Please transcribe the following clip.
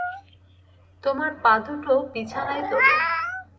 তোমার পাদুটো বিছানায় তোলো।